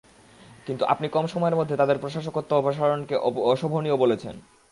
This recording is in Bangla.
কিন্তু আপনি কম সময়ের মধ্যে তাদের প্রশাসকত্ব অপসারণকে অশোভনীয় বলেছেন।